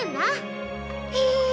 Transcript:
へえ！